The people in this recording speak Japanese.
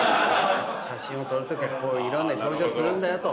写真を撮るときはいろんな表情するんだよと。